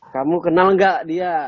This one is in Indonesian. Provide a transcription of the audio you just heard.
kamu kenal gak dia